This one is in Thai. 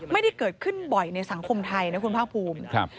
ไม่ได้เกิดขึ้นบ่อยในสังคมไทยนะคุณภาคภูมิ